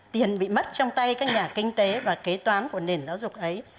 tiền bị mất trong tay các nhà kinh tế và kế toán của nền giáo dục ấy